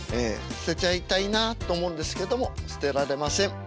捨てちゃいたいなと思うんですけども捨てられません。